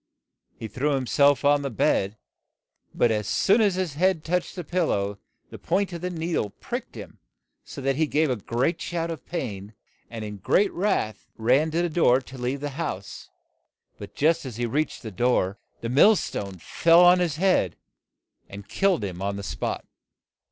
He threw him self on the bed, but as soon as his head touched the pil low the point of the nee dle pricked him so that he gave a shout of pain, and in great wrath ran to the door to leave the house. But just as he reached the door the mill stone fell on his head and killed him on the spot.